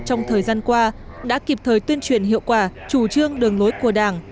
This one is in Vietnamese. trong thời gian qua đã kịp thời tuyên truyền hiệu quả chủ trương đường lối của đảng